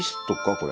これ。